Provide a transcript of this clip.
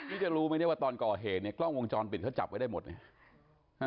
นี่จะรู้ไหมเนี่ยว่าตอนก่อเหตุเนี่ยกล้องวงจรปิดเขาจับไว้ได้หมดเนี่ย